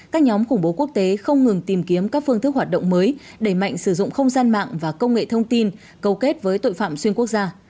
các nhóm khủng bố quốc tế không ngừng tìm kiếm các phương thức hoạt động mới đẩy mạnh sử dụng không gian mạng và công nghệ thông tin cầu kết với tội phạm xuyên quốc gia